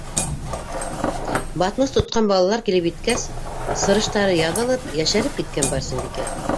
Батмус тотҡан балалар килеп еткәс, сырыштары яҙылып, йәшәреп киткән Барсынбикә: